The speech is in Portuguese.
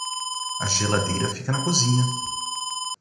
A geladeira fica na cozinha.